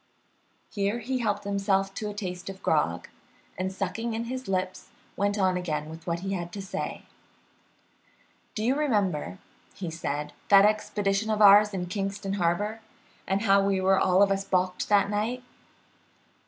Here he helped himself to a taste of grog, and sucking in his lips, went on again with what he had to say. "Do you remember," said he, "that expedition of ours in Kingston Harbor, and how we were all of us balked that night?"